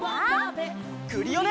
クリオネ！